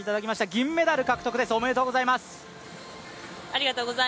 銀メダル獲得です、おめでとうございます。